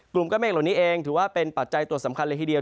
กลุ่มก้อนเมฆเหล่านี้เองถือว่าเป็นปัจจัยตัวสำคัญเลยทีเดียว